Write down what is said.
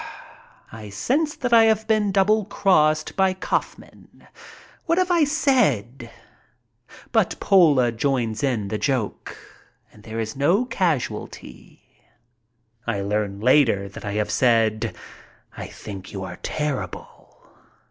I sense that I have been double crossed by Kaufman. What have I said ? But Pola joins in the joke, and there is no casualty. I learn later that I have said, "I think you are terrible."